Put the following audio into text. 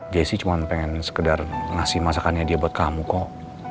jessy cuman pengen sekedar ngasih masakannya dia buat kamu kok